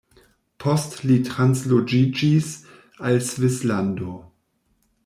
Post li transloĝiĝis al Svislando.